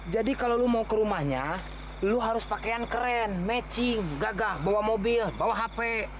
jadi kalau lo mau ke rumahnya lo harus pakaian keren matching gagah bawa mobil bawa hp